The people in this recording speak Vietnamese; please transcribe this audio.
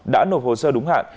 đã nộp hồ sơ đúng hạn